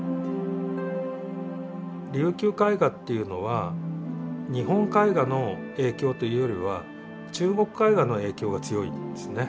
琉球絵画っていうのは日本絵画の影響というよりは中国絵画の影響が強いんですね。